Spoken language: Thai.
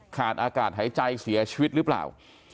ขาดอากาศหายใจเสียชีวิตหรือเปล่า